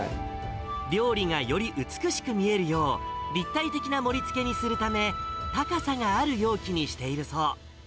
料理がより美しく見えるよう、立体的な盛りつけにするため、高さがある容器にしているそう。